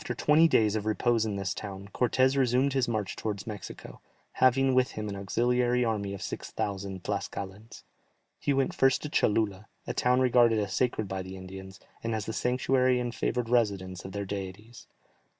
After twenty days of repose in this town, Cortès resumed his march towards Mexico, having with him an auxiliary army of six thousand Tlascalans. He went first to Cholula, a town regarded as sacred by the Indians, and as the sanctuary and favoured residence of their deities.